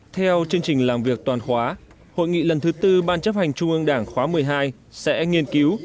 theo chương trình làm việc toàn khóa hội nghị lần thứ tư ban chấp hành trung ương đảng khóa một mươi hai sẽ nghiên cứu